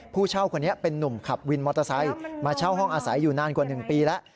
ผู้เช่าคนนี้เป็นนุ่มขับวินมอเตอร์ไซค์มาเช่าห้องอาศัยอยู่นานกว่า๑ปีแล้ว